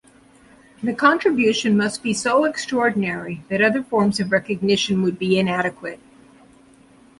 The contribution must be so extraordinary that other forms of recognition would be inadequate.